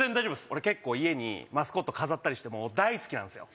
俺結構家にマスコット飾ったりしてもう大好きなんですよ